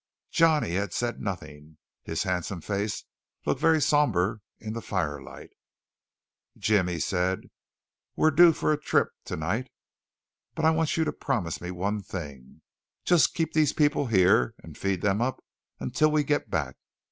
Johnny had said nothing. His handsome face looked very sombre in the firelight. "Jim," said he, "we're due for a trip to night; but I want you to promise me one thing just keep these people here, and feed them up until we get back.